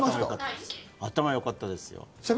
頭良かったですよ。